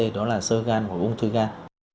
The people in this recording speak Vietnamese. đó là sơ gan của ung thư gan